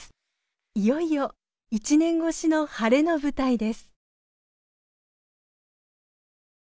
いよいよ１年越しの晴れの舞台です。